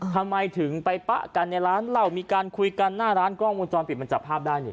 ทำไมถึงไปปะกันในร้านเหล้ามีการคุยกันหน้าร้านกล้องวงจรปิดมันจับภาพได้นี่